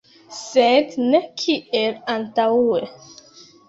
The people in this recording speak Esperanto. Sed ne kiel antaŭe.